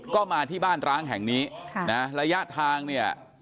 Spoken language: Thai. ก็มาที่บ้านร้างแห่งนี้ค่ะนะระยะทางเนี่ย